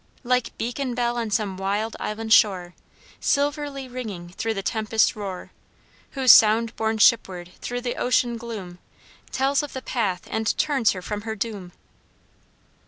Like beacon bell on some wild island shore, Silverly ringing through the tempest's roar, Whose sound borne shipward through the ocean gloom Tells of the path and turns her from her doom.